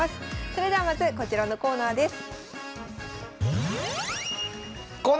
それではまずこちらのコーナーです。